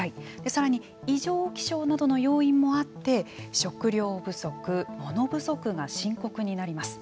さらに異常気象などの要因もあって食料不足、物不足が深刻になります。